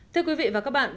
thưa quý vị và các bạn